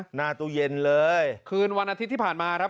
หน้าตู้เย็นเลยคืนวันอาทิตย์ที่ผ่านมาครับ